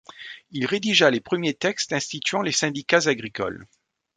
Il rédigea les premiers textes instituant les Syndicats agricoles.